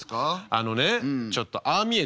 あのねちょっとああ見えて。